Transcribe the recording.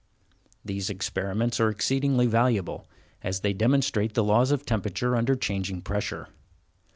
These experiments are exceedingly valuable, as they demonstrate the laws of temperature under changing pressure.